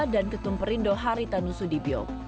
dan ketum perindo haritanu sudibyo